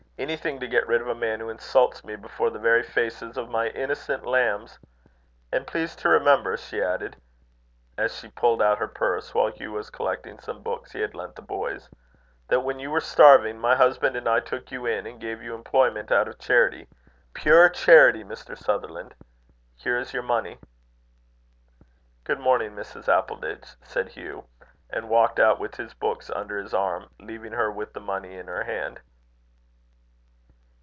Anything to get rid of a man who insults me before the very faces of my innocent lambs! And please to remember," she added, as she pulled out her purse, while Hugh was collecting some books he had lent the boys, "that when you were starving, my husband and I took you in and gave you employment out of charity pure charity, Mr. Sutherland. Here is your money." "Good morning, Mrs. Appleditch," said Hugh; and walked out with his books under his arm, leaving her with the money in her hand.